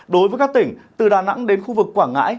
đối với các tỉnh từ đà nẵng đến khu vực quảng ngãi